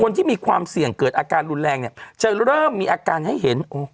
ที่มีความเสี่ยงเกิดอาการรุนแรงเนี่ยจะเริ่มมีอาการให้เห็น